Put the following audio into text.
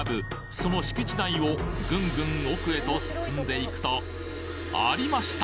その敷地内をグングン奥へと進んで行くとありました！